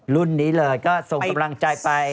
รุ่นนี้เลยก็ส่งกำลังใจไป